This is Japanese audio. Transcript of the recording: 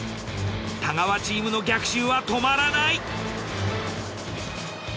太川チームの逆襲は止まらない。